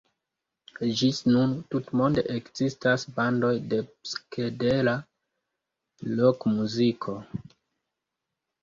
Ĝis nun tutmonde ekzistas bandoj de psikedela rokmuziko.